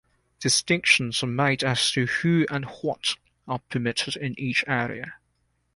Distinctions are made as to who and what are permitted in each area.